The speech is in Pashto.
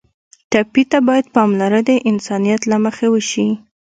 ټپي ته باید پاملرنه د انسانیت له مخې وشي.